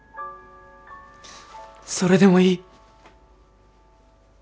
それでもいい。